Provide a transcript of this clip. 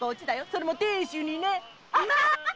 それも亭主にね。